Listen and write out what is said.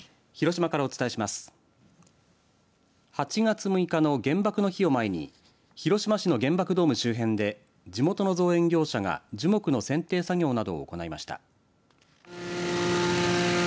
８月６日の原爆の日を前に広島市の原爆ドーム周辺で地元の造園業者が樹木のせん定作業などを行いました。